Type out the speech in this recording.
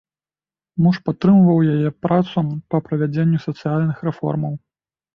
Муж падтрымліваў яе працу па правядзенню сацыяльных рэформаў.